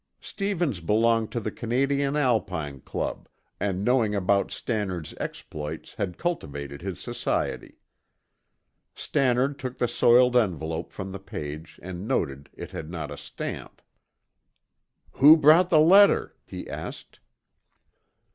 Stevens belonged to the Canadian Alpine Club, and knowing about Stannard's exploits, had cultivated his society. Stannard took the soiled envelope from the page and noted it had not a stamp. "Who brought the letter?" he asked.